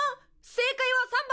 正解は３番。